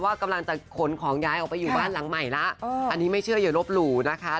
ว่ากำลังจะขนของย้ายออกไปอยู่บ้านหลังใหม่แล้วอันนี้ไม่เชื่ออย่าลบหลู่นะคะ